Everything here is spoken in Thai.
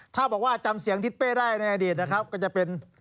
ถ้าบอกว่าจำเสียงทิศเป้ได้ในอดีตนะครับก็จะเป็น